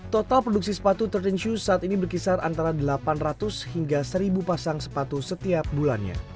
total produksi sepatu tiga belas shoes saat ini berkisar antara delapan ratus hingga seribu pasang sepatu setiap bulannya